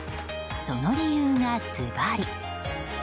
その理由が、ずばり。